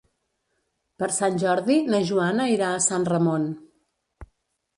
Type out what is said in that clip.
Per Sant Jordi na Joana irà a Sant Ramon.